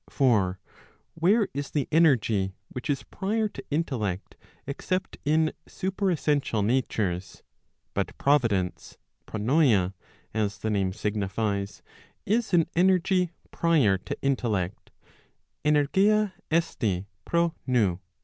For where is the energy which is prior to intellect, except in superessential natures ? But providence (rpowm), as the name signifies, is an energy prior to intellect (tvtpyua *<m irp* voo).